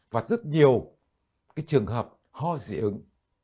và rất nhiều cái trường hợp ho dị ứng